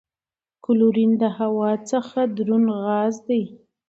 کلورین د هوا څخه دروند غاز دی.